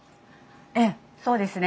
ええそうですね。